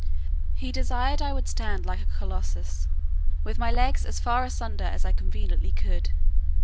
He desired I would stand like a Colossus, with my legs as far asunder as I conveniently could.